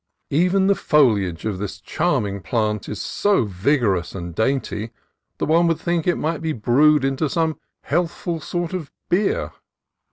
Even the foliage of this charming plant is so vigor ous and dainty that one would think it might be brewed into some healthful sort of beer.